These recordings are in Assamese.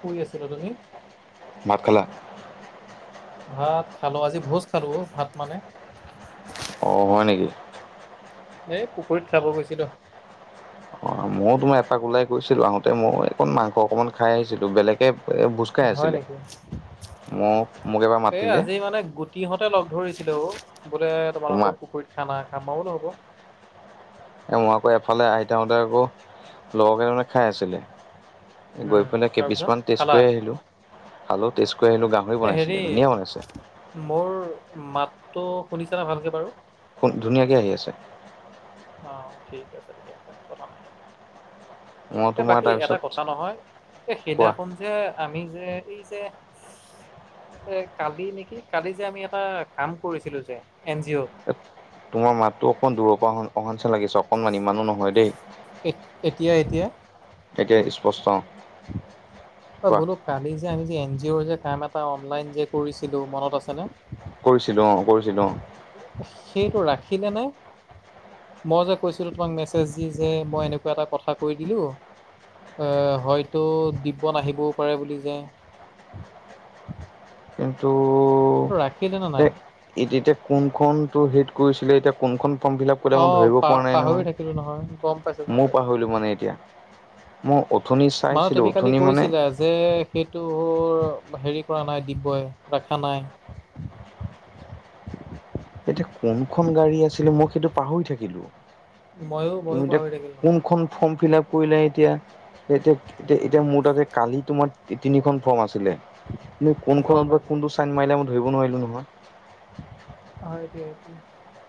শুই আছিলো, তুমি? ভাত খালা? ভাত খালো। আজি ভোজ খালো ভাত মানে। অ, হয় নেকি? এ পুখুৰীত খাব গৈছিলো। অ ময়ো তোমাৰ এপাক ওলাই গৈছিলো। আহোতে মইও অকণ মাংস অকণমান খাই আহিছিলো। বেলেগ কে ভোজ খাই হয় আছিলে নেকি? মোক মোক এবাৰ মাতিলে। সিহঁতে লগ ধৰিছিলে অ বোলে তোমালোকৰ তোমাক পুখুৰীত খানা খাম। মই বোলো হ'ব। মই আকৌ এফালে আহি থাাকোতে আকৌ লগৰকেইজনে খাই আছিলে। গৈ উম পিনে তাৰপিছত কেইপিছমান টেষ্ট খালা? কৰি আহিলো। খালো টেষ্ট কৰি আহিলো গা এ হেৰি মোৰ মাতটো শুনিছানে ভালকে বাৰু? শুন ধুনীয়াকে আহি আছে। অ ঠিক আছে তেতিয়া হ'লে কথা নাই মই এ তোমাৰ বাকী এটা তাৰপিছত কথা নহয় এই কোৱা সেইদিনাখন যে আমি যে এই যে এ কালি নেকি কালি যে আমি এটা কাম কৰিছিলো যে এন জি অ' তোমাৰ মাততো অকণ দূৰৰ পৰা অহা অহা নিচিনা লাগিছে অকণমান ইমানো নহয় দেই এ এতিয়া এতিয়া? একে স্পষ্ট অ কোৱা বোলো কালি যে আমি যে এন জি অৰ যে কাম এটা অনলাইন যে কৰিছিলো মনত আছে নে? কৰিছিলো অ, কৰিছিলো অ। সেইটো ৰাখিলে নে? মই যে কৈছিলোঁ তোমাক মেছেজ দি যে মই এনেকুৱা এটা কথা কৈ দিলোঁ হয়তো দিপহত আহিবও পাৰে বুলি যে কিন্তু সেইটো ৰাখিলে নে নাই এতি এতিয়া কোনখন টো হেৰিত কৰিছিলে এতিয়া কোনখন ফৰ্ম ফিলাপ একোটা মই অ', ধৰিব পা পৰা নাই পাহৰি থাকিলোঁ গম পাইছোঁ, নহয় গম ময়ো পাইছোঁ। পাহৰিলো মানে এতিয়া মই অথনি মানে চাইছিলো তুমি কালি অথনি মানে কৈছিলা যে সেইটো হেৰি কৰা নাই দিব্যই ৰাখা নাই এতিয়া কোনখন গাড়ী আছিলে মই সেইটো পাহৰি থাকিলো ময়ো, তুমি ময়ো এতিয়া পাহৰি থাকিলোঁ নহয়। কোনখন ফৰ্ম ফিলাপ কৰিলা এতিয়া এতিয়া এতা এতিয়া উম, মোৰ তাতে কালি তোমাৰ তিন তিনিখন ফৰ্ম আছিলে তুমি গম কোনখনত বা পাইছোঁ। কোনটো চাইন মাৰিলা মই ধৰিব নোৱাৰিলো নহয় হয়টো এইটো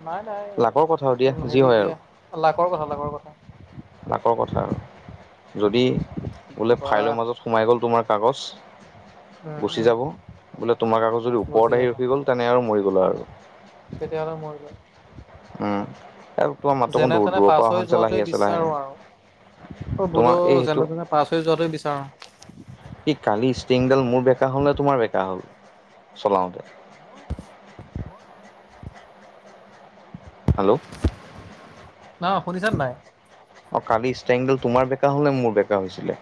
নাই নাই লাকৰ কথা আৰু দিয়া উ যি হেৰি হয় আৰু দিয়া লাকৰ কথা লাকৰ কথা লাকৰ কথা যদি কি বোলে কবা ফাইলৰ মাজত সোমাই গ'ল তোমাৰ কাগজ। উম গুচি উম যাব বোলে তোমাক আকৌ যদি গুচি ওপৰত আহি যাব ৰখি গ'ল তেনে আৰু মৰি গ'লা আৰু। তেতিয়াহ'লে মৰিলোঁ আৰু। উম, আৰু যেনে তেনে পাছ হৈ যোৱাটোৱে বিচাৰো লাহে আৰু। অ', তোমাৰ বোলো এই সেইটো যেনে তেনে পাছ হৈ যোৱাটোৱে বিচাৰো। ই কালি ষ্টিংডাল মোৰ বেকা হ'ল নে তোমাৰ বেকা হ'ল চলাওতে মোৰ হেল্ল' ন শুনিছা নে নাই অ কালি ষ্টাইংডল তোমাৰ বেকা হ'ল নে মোৰ বেকা হৈছিলে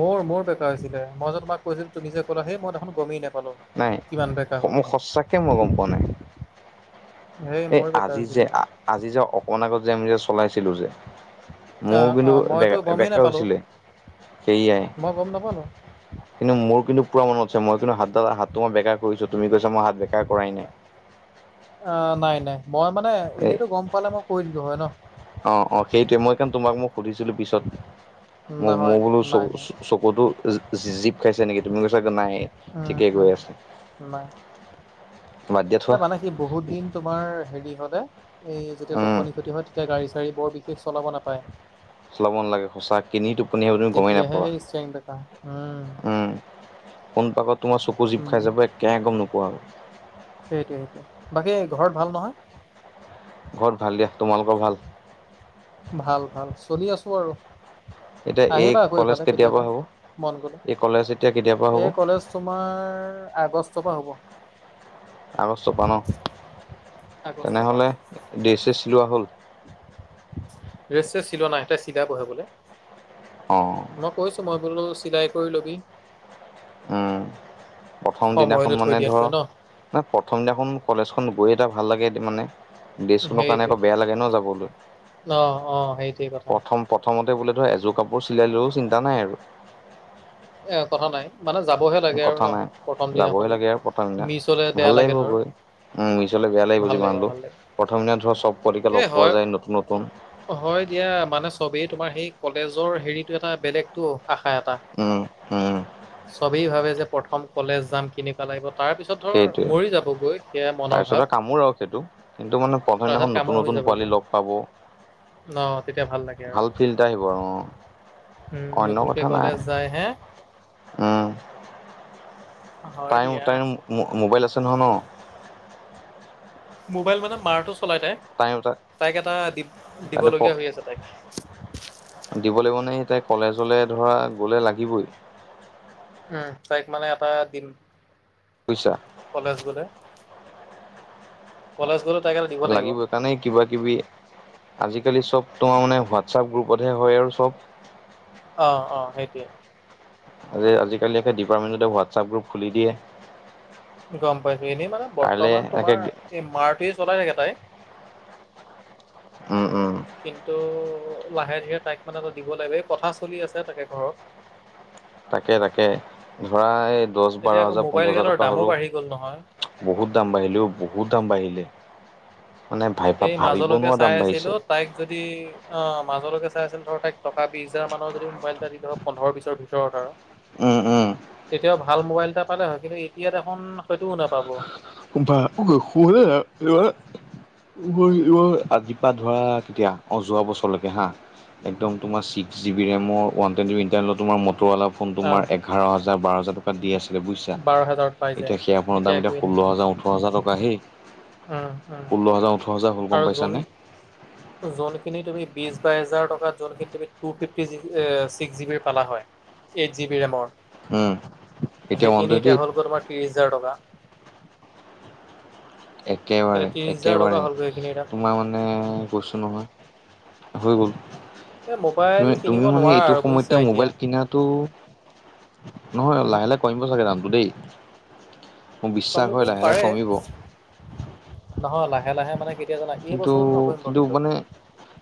মোৰ মোৰ বেকা হৈছিলে মই যে তোমাক কৈছিলোঁ তুমি যে ক'লা সেই মই দেখোন গমেই নাপালোঁ নাই মো সঁচাকে মই গম পোৱা নাই সেই এই মোৰ বেকাৰ আজি যে হৈছিলে আজি যে অকণ আগত যে আমি যে চলাইছিলো যে অ মোৰ অ কিন্তু বে মইতো গমেই বেকা নাপালো হৈছিলে সেয়াই মই গম নাপালো কিন্তু মোৰ কিন্তু পুৰা মনত আছে মই কিন্তু হাতডাল হাতটো মই বেকা কৰিছোঁ তুমি কৈছা মই হাত বেকা কৰাই নাই আ', নাই -নাই মই মানে এই এনেতো গম পালে মই কৈ দিলো হয় ন'। অ', অ', সেইটোৱে মই কাৰণ তোমাক মই সুধিছিলো পিছত মোক মো নহয় বোলো চ নাই চ নাই চকুটো যি জীপ ষাইছে নেকি তুমি কৈছা নাই উম ঠিকেই গৈ উম আছে নাই বাদ দিয়া এই থোৱা। মানে বহুত দিন তোমাৰ হেৰি হ'লে এই যেতিয়া উম টোপনি ক্ষতি হয় তেতিয়া গাড়ী চাৰী বৰ দি চলাব নাপায়। চলাব নালাগে সঁচা কিনি টোপনি তুমি গমেই নাপাবা। ষ্টেং বেঁকা উম, কোন পাকত তোমাৰ চকু জীপ উম খাই যাব একেহে গম নোপোৱা আৰু। সেইটোৱে সেইটোৱে বাকী ঘৰত ভাল নহয়? ঘৰত ভাল দিয়া। তোমালোকৰ ভাল? ভাল ভাল চলি আছো আৰু। এতিয়া এই আহিবা আকৌ কলেজ ইফালে কেতিয়াৰ কেতিয়াবা পৰা হ'ব মন গ'লে, এই কলেজ এতিয়া কেতিয়াৰ পৰা হ'ব এ কলেজ তোমাৰ আগষ্টৰ পা হ'ব। আগষ্টৰ পা ন, আগষ্টৰ পৰা তেনেহ'লে ড্ৰেছ চেছ চিলোৱা হ'ল? ড্ৰেছ চ্ৰেচ চিলোৱা নাই এতিয়া চিলাবহে বোলে। অ', মই কৈছোঁ মই বোলো চিলাই কৰি লবি। উম, প্ৰথম সময়লৈ দিনাখন থৈ মানে ধৰ দিয়াতকৈ ন না প্ৰথম দিনাখন কলেজখন গৈ এটা ভাল লাগে মানে। ড্ৰেছখনৰ কাৰণে সেইটোৱে আকৌ বেয়া লাগে ন যাবলৈ, অ', অ', সেইটোৱে কথা। প্ৰথম প্ৰথমতে বোলে ধৰ এযোৰ কাপোৰ চিলাই লো চিন্তা নাই আৰু। এ কথা নাই। মানে যাবহে লাগে আৰু কথা ন, নাই প্ৰথম দিনা যাবহে এখন লাগে আৰু প্ৰথম দিনা মিছ হ'লে ভাল বেয়া লাগে লাগিব ধৰ। গৈ উম, মিছ বেয়া লাগিব ভাল যিমান হলেওঁ ভাল লাগিব প্ৰথম দিনা ধৰ চব পোৱালিকে এ লগ পোৱা হয় যায় নতুন নতুন। হয় দিয়া মানে চবেই তোমাৰ সেই কলেজৰ হেৰিটো এটা বেলেগটো আশা এটা। উম। উম চবেই ভাবে যে প্ৰথম কলেজ যাম কেনেকুৱা লাগিব তাৰ পিছত ধৰ সেইটোৱে মৰি যাবগৈ সেয়া মনৰ ভাৱ। তাৰপিছতে কামোৰ আৰু সেইটো কিন্তু মানে প্ৰধান তাৰপিছত দিনাখন নতুন কামৰ হৈ নতুন পোৱালি যাবগৈ লগ- পাব, ন তেতিয়া লাগে আৰু ভাল ফিল্ট আহিব আৰু অ। উম, অন্য নতুনকে কথা নাই কলেজ যায় হে। উম। হয় টাইম দিয়া টাইম মোবাইল আছে নহয় ন। মোবাইল মানে মাৰটো চলাই তাই তাইক এটা দিব, তাতে ক দিবলগীয়া হৈ আছে তাইক। দিব লাগিব মানে সিতেই কলেজলে ধৰা গ'লে ধৰা গ'লে লাগিবই। উম, তাইক মানে এটা দিম। বুইছা। কলেজ গ'লে। কলেজ গ'লে তাই কাৰণে দিব লাগিব। সেইকাৰণে কিবাকিবি আজিকালি চব তোমাৰ মানে হোৱাটছআপ গ্ৰুপতহে হয় আৰু চব। অ অ সেইটোৱে। আৰে আজিকালি একে ডিপাৰ্টমেণ্টতে হোৱাটছআপ গ্ৰুপ খুলি দিয়ে। গম পাইছো এনেই মানে কাইলে বৰ্তমান একে তোমাৰ এই মাৰটোৱে চলাই থাকে তাই। উম উম কিন্তু লাহে ধীৰে তাইক মানে এটা দিব লাগিব এই কথা চলি আছে তাকে ঘৰত। তাকে তাকে ধৰা দচ, বাৰ এতিয়া আকৌ হাজাৰ, মোবাইল পোন্ধৰ হাজাৰ গালৰ টকা দামো বাঢ়ি গ'ল নহয় হ'লেও। বহুত দাম বাঢ়িলে অ বহুত দাম বাঢ়িলে। মানে ভাইবা এই ভাবিব মাজলৈকে নোৱাৰা চাই দাম আছিলো বাঢ়িছে। তাইক যদি অ মাজলৈকে চাই আছিল ধৰক তাইক টকা বিছ হাজাৰ মানৰ যদি মোবাইল এটা দি ধৰক পোন্ধৰ বিচৰ ভিতৰত আৰু। উম উম। তেতিয়াও ভাল মোবাইল এটা পালে হয় কিন্তু এতিয়া দেখোন সেইটোও নাপাব। [unintelligible] [unintelligible] আজিপা ধৰা কেতিয়া অ যোৱা বছৰলৈকে হা। একদম তোমাৰ ছিক্ জিবি ৰেমৰ ৱানটোৱেণ্টি ইণ্টাৰনেলত তোমাৰ মটৰৱালা ফোন তোমাৰ এঘাৰ হেজাৰ বাৰহেজাৰ টকাত দি আছিলে বুজিছা বাৰ হাজাৰত পাই যায় এতিয়া সেই ফোনৰ এতিয়া দাম একোৱেই নাই ষোল্ল হেজাও ওঠৰ হাজাৰ টকা সে, উম উম ষোল্ল হাজাৰ ওঠৰ হাজাৰ হ'ল আৰু গম জনী পাইছানে। যোনখিনি তুমি বিশ বাইছ হাজাৰ টকাত যোনখিনি তুমি টু ফিফটি জি এ ছিক্স জিবি ৰ পালা হয় এইট জিবি ৰেমৰ। উম ওৱান সেইখিনি টুৱেণ্টি এতিয়া এইট হ'লগৈ তোমাৰ ত্ৰিশ হাজাৰ টকা। একেবাৰে এতিয়া ত্ৰিশ হাজাৰ টকা একেবাৰে হ'লগৈ সেইখিনি এতিয়া তোমাৰ মানে কৈছো নহয় হৈ গ'ল। এই মোবাইল তু কিনিব তুমি মানে নোৱাৰা এইটো আৰু বুজিছা সময়তে এতিয়া মোবাইল কিনাতো নহয় লাহে লাহে কমিব চাগে দামতো দেই মোৰ বিশ্বাস হয় কমিবও লাহে লাহে পাৰে কমিব। নহয় লাহে লাহে মানে কেতিয়া জানা এই কিন্তু বছৰতো নকমিব কিন্তু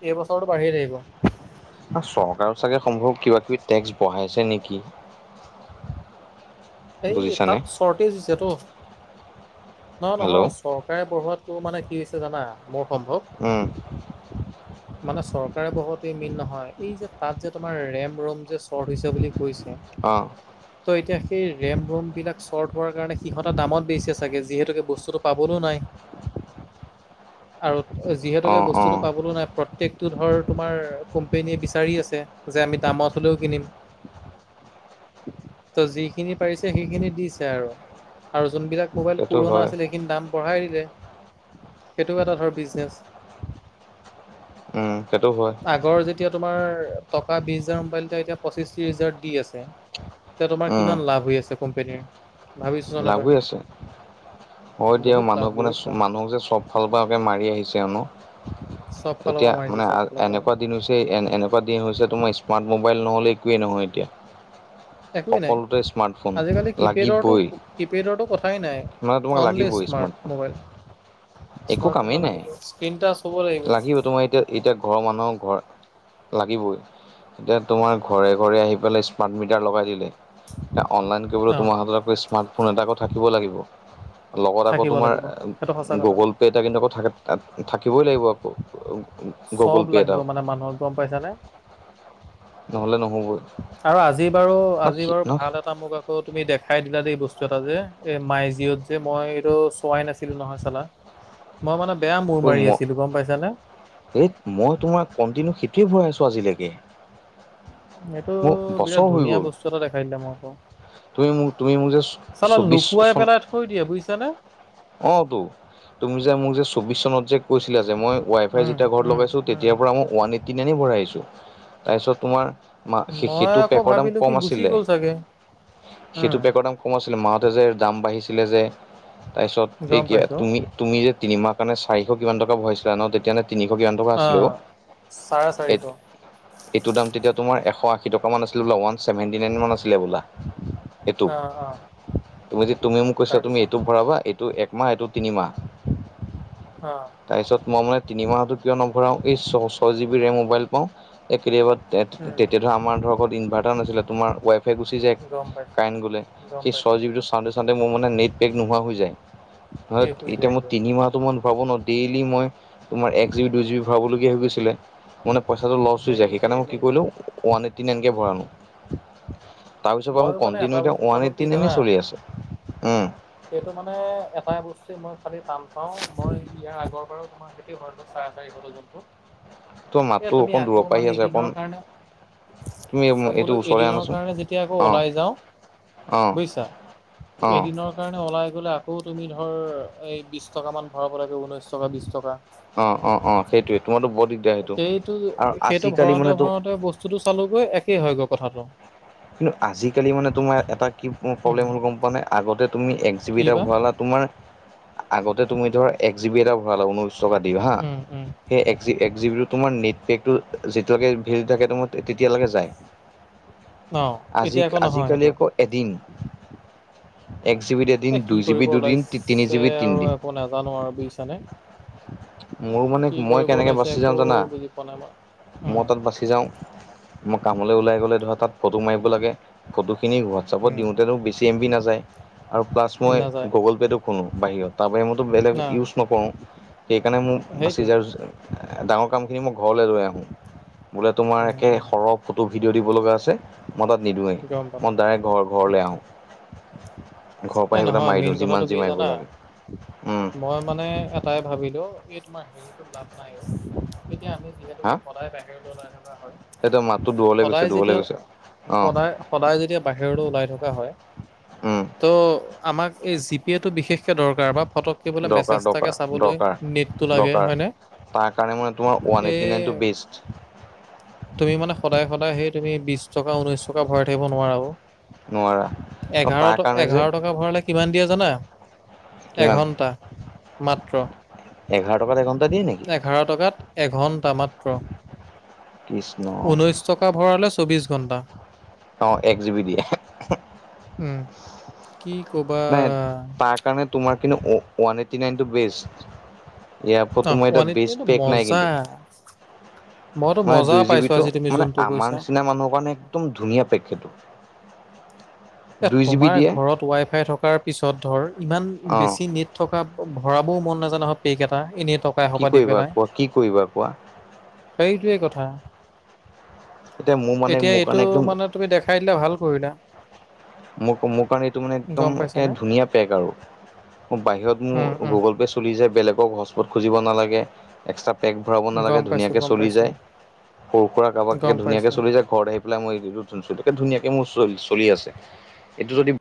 এই বছৰতো বাঢ়িয়ে থাকিব। চৰকাৰৰ চাগে সম্ভৱ কিবা কিবি টেক্স বঢ়াইছে নেকি? এই বুজিছানে তাত চৰ্টেজ হৈছেতো নহয় হেল্ল' নহয় চৰকাৰে বঢ়োৱাতকৈ মানে কি হৈছে জানা মোৰ সম্ভৱ উম। মানে চৰকাৰে বঢ়ুৱাটোৱেই মেইন নহয় এই যে তাত যে তোমাৰ ৰেম ৰোম যে চ্বৰ্ট হৈছে বুলি হৈছে। অঁ ত' এতিয়া সেই ৰেম ৰোম বিলাক চৰ্ট হোৱাৰ কাৰণে সিহঁতৰ দামত বেছিছে চাগে যিহেতুকে বস্তুতো পাবলৈ নাই। আৰু যিহেতুকে অঁ বস্তুতো অঁ পাবলো নাই, প্ৰত্যেকতো ধৰ তোমাৰ কোম্পেনীয়ে বিচাৰি আছে যে আমি দামত হ'লেও কিনিম [unintelligible] ত যিখিনি পাৰিছে সেইখিনি দিছে আৰু আৰু যোনবিলাক মোবাইলতো সেইটো পুৰণা হয় আছিলে সেইখিনি দাম বঢ়াই দিলে সেইটোও এটা ধৰ বিজনেছ। উম সেইটো হয়। আগৰ যেতিয়া তোমাৰ টকা বিশ হাজাৰ মোবাইল এটা এতিয়া পঁচিশ ত্ৰিশ হাজাৰ দি আছে। এতিয়া তোমাৰ উম কিমান লাভ হৈ আছে কোম্পনীৰ। লাভ হৈ আছে। হয় দিয়া বহুত লাভ মানুহক মানে বহুত লাভ মানুহক যে চব সৰু সুৰাকে মাৰি আহিছে আও ন চব ফালৰ এতিয়া পৰা মাৰিছে মানে চব ফালৰ পৰা। এনেকোৱা দিন হৈছে এ এনেকোৱা দিন হৈছে তোমাৰ স্মাৰ্ট মোবাইল নহ'লে একোৱেই নহয় এতিয়া। একোৱেই নাই সকলোতে স্মাৰ্টফোন লাগিবই। কিপেডৰটো কথাই নাই মানে তোমাক অনলি লাগিবই স্মাৰ্ট স্মাৰ্টফোন মোবাইল। একো স্মাৰ্টফোন এটা লাগিবই স্কিনটাচ হ'ব লাগিব ত তোমাৰ এতিয়া এতিয়া ঘৰৰ মানুহৰ ঘৰ লাগিবই এতিয়া তোমাৰ ঘৰে ঘৰে আহি পেলাই স্মাৰ্ট মিটাৰ লগাই দিলে তা অনলাইন কৰিবলৈ অঁ তোমাৰ হাতত আকৌ স্মাৰ্টফোন এটা থাকিব লাগিব। লগত আকৌ থাকিব তোমাৰ লাগিব সেইটো সঁচা কথা গুগল পে' এটা কিন্তু আকৌ থে থাকিবই লাগিব আকৌ। গুগল চব পে লাগিব এটাও মানে মানুহক গম পাইছানে নহলে নহবই। আৰু আজি বাৰু ন আজি বাৰু ন ভালত মোক আকৌ তুমি দেখাই দিলা দেই বস্তু এটা যে এ মাই জিঅত যে মই এইটো হোৱাই নাছিল নহয় চালা মই মানে বেয়া মূৰ ঐ মাৰি ম আছিলোঁ গম পাইছানে এই মই তোমাৰ কন্টিনউ সিটোৱে ভৰাই আছো আজিলৈকে। এইটো মোৰ বিৰাট বছৰ হৈ ধুনীয়া গ'ল বস্তু এটা দেখাই দিলে মই আকৌ। তুমি মোক তুমি মোক যে চৌ চৌবিছ লৈ পেলাই থৈ দিয়ে বুইছা নে অ তো তুমি যে মোক যে চৌব্বিছ চনত যে কৈছিলা যে মই ৱাই ফাই উম যেতিয়া ঘৰত উম লগাইছো উম তেতিয়াৰ পৰা মই ওৱান এইটি নাইনে ভৰাই আহিছো তাৰপিছত তোমাৰ মা মই সেইটো আকৌ পেকৰ দাম ভাবিলো কম কি গুচি আছিলে গ'ল চাগে সেইটো উম পেকৰ দাম কমো আছিলে মাহতে যে দাম বাঢ়িছিলে যে তাৰপিছত গম এই পাইছো তুমি তুমি যে তিনিমাহৰ কাৰণে চাৰিশ কিমান টকা ভৰাইছিলা ন তেতিয়া নে তিনিশ কিমান টকা অ আছিলেও চাৰে এই চাৰিশ অ এইটোৰ দাম তেতিয়া তোমাৰ এশ আশী টকা দামো আছিলে ন ওৱান ছেভেন্টি নাইন মান আছিলে হবলা এইটো অ তুমি যে তুমি মোক কৈছা তুমি তাৰপিছত এইটো ভৰাবা এইটো একমাহ এইটো তিনিমাহ অ তাৰপিছত মই মানে তিনিমাহৰতো কিয় নভৰাও, এই ছ ছয় জিবি ৰেম মোবাইল পাওঁ। কেতিয়াবা তেতিয়া উম ধৰ, আমাৰ ধৰক ঘৰত ইনভাইৰ্টাৰ নাছিলে, তোমাৰ ৱাইফাই গুচি যায়। গম পাইছো কাৰেণ্ট গলে, গম সেই পাইছো চয় জিবিটো চাওঁতে চাওঁতে মোৰ মানে নেট পেক নোহোৱা হৈ যায়। হয়। শেষ হৈ এতিয়া মোৰ যায়গৈ তিনিমাহ তহ মই ভৰাব নোৱাৰো। ডেইলি মই তোমাৰ এক জিবি দুই জিবি ভৰাব লগীয়া হৈ গৈছিলে। মানে পইছাটো লচ হৈ যায় সেইটোৱে সেইকাৰণে মই কি মেইন কৰিলো কথা ওৱান এইটটি নাইনকে ভৰালো তাৰপিছৰ পৰা মো মইও মানে এটা কণ্টিনউ এতিয়া বস্তু ওৱান চালো এইটি কি নাইনে জানা চলি আছে উম সেইটো মানে এটা বস্তুৱে মই খালি টান পাও মই ইয়াৰ আগৰ বাৰু তোমাৰ সেইটোৱে ভৰালো চাৰে চাৰিশটো যোনটো তো এ মাততো অকণ দূৰ পৰা আহি আছে অকণ তুমি অহ এইটো বোলো, ওচৰলৈ এদিনৰ আনাচোন কাৰণে যেতিয়া আকৌ অ ওলাই অ যাওঁ বুইছা অ এদিনৰ কাৰণে ওলাই গলে আকৌ তুমি ধৰ, এই বিশ টকা মান ভৰাব লাগে। ঊনৈশ টকা বিশ টকা। অ অ অ সেইটোৱেতো তোমাৰটো বৰ দিগদাৰ সেইটো, আৰু সেইটো আজিকালি ভৰাওঁতে মানেতো ভৰাওঁতে বস্তুটো চালোগৈ একেই হয় গৈ কথাটো কিন্তু আজিকালি মানে তোমাৰ এটা কি উম প্ৰব্লেম হ'ল গম পোৱা নে, আগতে তুমি এক জিবি কি এটা বা ভৰালা তোমাৰ আগতে তুমি ধৰা এক জিবি এটা ভৰালা ঊনৈশ টকা দি হা, উম উম সেই এক এক জিবি তোমাৰ নেট পেকটো যেতিয়া লৈকে ভেলি থাকে, তেতিয়ালৈকে যায়। অহ, আজি এতিয়া একো নহয় আজিকালি সেইটো আকৌ এদিন এক জি বিত এদিন এ কি দুই জি বি কৰিব দুদিন তিনি জি ওলাইছে বিত আৰু তিনিদিন একো নাজানো আৰু বুজিছানে [unintelligible] মোৰ মানে কি মই কৰিব কেনেকে ওলাইছে বাছি একো যাওঁ জানা, বুজি পোৱা নাই মই। উম মই তাত বাচি যাওঁ। মই কামলৈ ওলাই গলে ধৰা তাত ফটো মাৰিব লাগে, ফটোখিনি ওৱাট হোৱাতচেপত উম দিওঁতেনো বেছি এম বি নাযায় আৰু প্লাছ মই নাযায় গুগল পেটো খুলো বাহিৰত তাৰপা মইতো বেলেগ না ইউজ নকৰোঁ। সেইকাৰণে মোক বাচি সেইটোৱে যাওঁ। ডাঙৰ কামখিনি মই ঘৰলে লৈ আহোঁ। বোলে তোমাৰ উম একে উম সৰহ ফটো ভিডিঅ' দিব লগা আছে। মই তাত নিদওঁৱেই গম পালো। মই ডাইৰেক্ট ঘৰ ঘৰলে আহোঁ। ঘৰৰ পৰা এহ আহি পেলাই নহয়, মাৰি মেইন দিওঁ যিমান কথাটো যি কি মাৰিব জানা লাগে উম মই মানে এটাই ভাবিলো এই তোমাৰ হেৰিটো লাভ নাই। এতিয়া আমি যিহেতুকে সদায় বাহিৰলৈ ওলাই থকা হয়। এতিয়া মাতটো দুৱলে গৈছে। সদায় দুৱলে যেতিয়া গৈছে অ সদায়, সদায় যেতিয়া বাহিৰলৈ ওলাই থকা হয়। উম তহ, আমাক এই জিপেটো বিশেষকে দৰকাৰ বা ফটো দিবলৈ দৰকাৰ মেচেজ দৰকাৰ এটাকে চাবলৈ দৰকাৰ নেটটো লাগে দৰকাৰ হয় নে তাৰ কাৰণে মানে তোমাৰ ওৱান এইটি নাইনটো বেষ্ট তুমি মানে সদায় সদায় সেই তুমি বিশ টকা, ঊনৈশ টকা, ভৰাই থাকিব নোৱাৰা অহ নোৱাৰা অ তাৰ এঘাৰ কাৰণে যে এঘাৰ টকা ভৰালে কিমান দিয়ে জানা কিমান এঘণ্টা মাত্ৰ এঘাৰ টকাত এঘণ্টা দিয়ে নেকি? এঘাৰ টকাত এঘণ্টা মাত্ৰ কৃষ্ণ ঊনৈছ টকা ভৰালে, চৌবিছ ঘণ্টা অ এক জিবি দিয়ে। উম, কি কবা সেইকাৰণে তোমাৰ কিন্তু ওৱা ওৱান এইটতি নাইনটো বেষ্ট ইয়াৰ পৰাতো অহ, মই এতিয়া ওৱান বেজ এইটটিটো পেক নাই মজা। কিন্তু মইতো মানে মজা দুই পাইছো জিবিটো আজি তুমি মানে যোনটো আমাৰ কৈছা। নিচিনা মানুহৰ কাৰণে একদম ধুনীয়া পেক সেইটো এ দুই জি বি তোমাৰ দিয়ে ঘৰত ৱাইফাই থকাৰ পিছত ধৰ ইমান অ বেছি নেট থকা ভৰাবও মন নাজাই নহয়, পেক এটা এনেই পাব পইচা কি সোপা দি কৰিবা পেলাই কোৱা কি কৰিবা কোৱা সেইটোৱে কথা এতিয়া মোৰ মানে এতিয়া মোৰ এইটো কাৰণে একদম মানে তুমি দেখাই দিলা ভাল কৰিলা। মোৰ মোৰ কাৰণে এইটো মানে গম একদম পাইছানে? ধুনীয়া পেক আৰু। মোৰ বাহিৰত উম, মোৰ উম, গুগল পে' চলি যায় বেলেগক হচস্পট খুজিব নালাগে, এক্সট্ৰা। পেক ভৰাব নালাগে। গম পাইছো, ধুনীয়াকে গম চলি পাইছো, যায়। সৰু সুৰা কাৰোবাকে গম পাইছো। ধুনীয়াকে চলি যায়। ঘৰত আহি পেলাই মই ধুনীয়াকে মোৰ চ চলি আছে। এইটো যদি